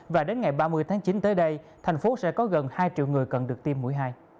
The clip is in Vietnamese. và đến ngày ba mươi tháng chín tới đây thành phố sẽ có gần hai triệu người cần được tiêm mũi hai